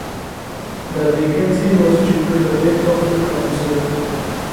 The vacancy was due to the death of a councillor.